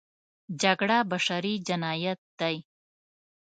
جګړه بشري جنایت دی.